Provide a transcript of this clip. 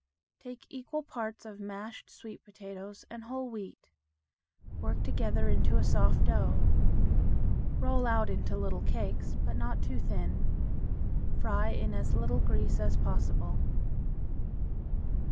Take equal parts of mashed sweet potatoes and whole wheat. Work together into a soft dough. Roll out into cakes, but not too thin. Fry in as little grease as possible.